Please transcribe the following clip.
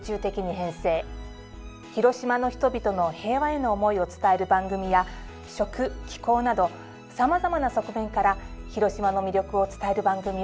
広島の人々の平和への思いを伝える番組や食・紀行などさまざまな側面から広島の魅力を伝える番組を放送しました。